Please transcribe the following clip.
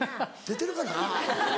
出てるかな？